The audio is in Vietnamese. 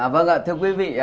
vâng ạ thưa quý vị